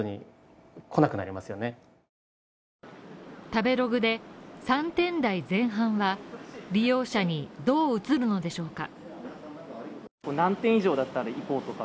食べログで３点台前半は利用者にどう映るのでしょうか。